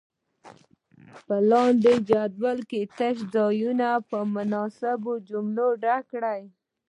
په لاندې جدول کې تش ځایونه په مناسبو جملو ډک کړئ.